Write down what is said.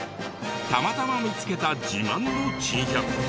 たまたま見つけた自慢の珍百景。